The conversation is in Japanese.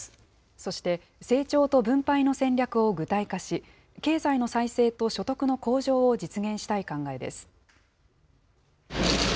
そして、成長と分配の戦略を具体化し、経済の再生と所得の向上を実現したい考えです。